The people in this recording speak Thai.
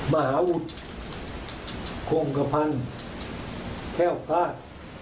มหาวุฒิโครงกระพันธ์แก้วพลาด